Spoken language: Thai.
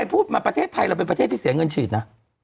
พูดมาประเทศไทยเราเป็นประเทศที่เสียเงินฉีดนะ